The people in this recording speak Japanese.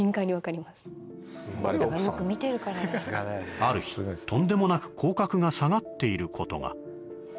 ある日、とんでもなく口角が下がっていることが。